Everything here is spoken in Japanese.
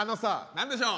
何でしょう？